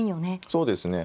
そうですね。